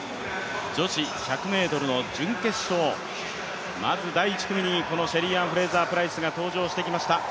女子１００ｍの準決勝、まず第１組にこのシェリーアン・フレイザープライスが登場してきました。